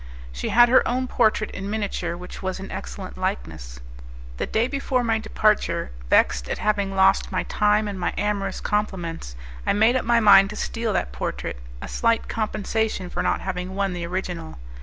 She had her own portrait in miniature, which was an excellent likeness. The day before my departure, vexed at having lost my time and my amorous compliments, I made up my mind to steal that portrait a slight compensation for not having won the original.